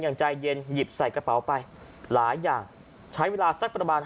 อย่างใจเย็นหยิบใส่กระเป๋าไปหลายอย่างใช้เวลาสักประมาณ